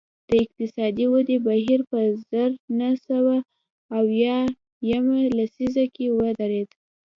د اقتصادي ودې بهیر په زر نه سوه اویا یمه لسیزه کې ودرېد